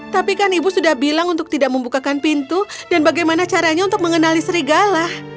tapi kan ibu sudah bilang untuk tidak membukakan pintu dan bagaimana caranya untuk mengenali serigala